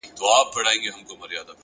علم د انسان عزت ساتي,